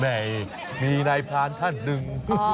มีนายพานท่านหนึ่ง